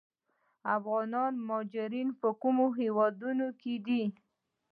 افغان مهاجرین په کومو هیوادونو کې دي؟